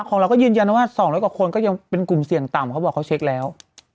ของเราก็ยืนยันนะว่า๒๐๐กว่าคนก็ยังเป็นกลุ่มเสี่ยงต่ำเขาบอกเขาเช็คแล้ว